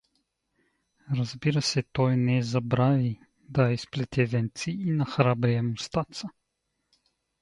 Разбира се, той не забрави да изплете венци и на храбрия Мустаца.